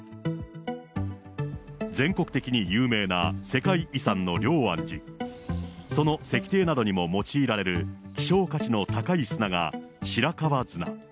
全国的に有名な世界遺産の龍安寺、その石庭などに用いられる希少価値の高い砂が白川砂。